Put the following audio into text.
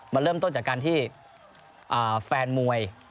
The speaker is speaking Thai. มันเริ่มต้นจากการที่แฟนมวย